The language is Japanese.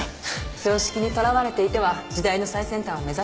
常識にとらわれていては時代の最先端は目指せません。